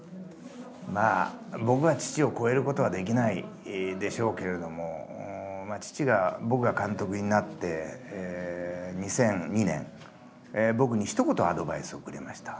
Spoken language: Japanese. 僕が父を超えることはできないでしょうけれども父が僕が監督になって２００２年僕にひと言アドバイスをくれました。